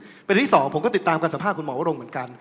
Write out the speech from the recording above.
ประเด็นที่สองผมก็ติดตามการสัมภาษณ์คุณหมอวรงค์เหมือนกัน